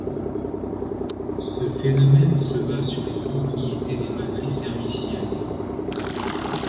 Ce phénomène se base sur les propriétés des matrices hermitiennes.